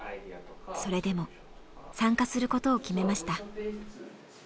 それでも参加することを決めました。